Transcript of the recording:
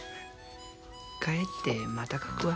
帰ってまた描くわ。